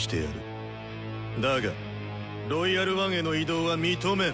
だが「ロイヤル・ワン」への移動は認めん。